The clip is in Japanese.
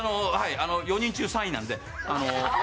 ４人中、３位なんで。